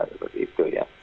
seperti itu ya